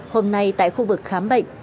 hôm nay tại khu vực khám bệnh